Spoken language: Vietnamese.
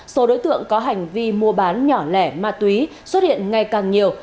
số đối tượng có hành vi mua bán nhỏ lẻ ma túy xuất hiện ngày càng nhiều